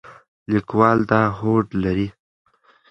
لیکوال دا هوډ لري.